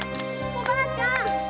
おばあちゃん！